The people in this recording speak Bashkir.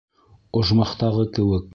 Ожмахтағы кеүек!